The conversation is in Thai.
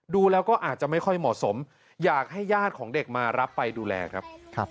ดูแล้วก็อาจจะไม่ค่อยเหมาะสมอยากให้ญาติของเด็กมารับไปดูแลครับ